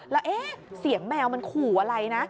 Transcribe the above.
แล้วเสียงแมวมันขู่อะไรนะ